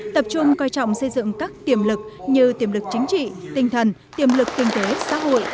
tập trung coi trọng xây dựng các tiềm lực như tiềm lực chính trị tinh thần tiềm lực kinh tế xã hội